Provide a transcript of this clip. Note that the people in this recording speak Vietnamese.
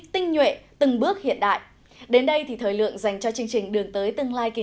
tinh nhuệ từng bước hiện đại đến đây thì thời lượng dành cho chương trình đường tới tương lai kỳ